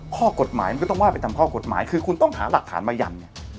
ข้อกฎหมายมันก็ต้องว่าไปตามข้อกฎหมายคือคุณต้องหาหลักฐานมายันไง